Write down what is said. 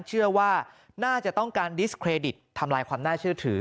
เชื่อว่าน่าจะต้องการดิสเครดิตทำลายความน่าเชื่อถือ